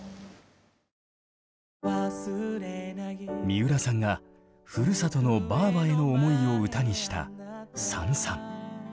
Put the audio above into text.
三浦さんがふるさとのばあばへの思いを歌にした「燦燦」。